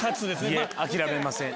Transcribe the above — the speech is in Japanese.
いいえ諦めません。